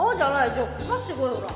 じゃあかかってこいおら。